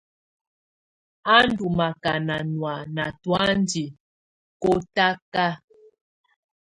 Á ndù makaàna nɔ̀á ná tɔ̀ánjɛ̀ kɔtaka.